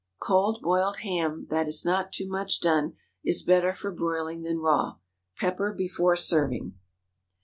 Cold boiled ham, that is not too much done, is better for broiling than raw. Pepper before serving.